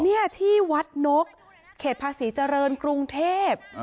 นี่ที่วัดนกเขตภาษีเจริญกรุงเทพ